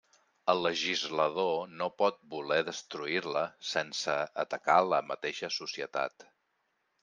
El legislador no pot voler destruir-la sense atacar la mateixa societat.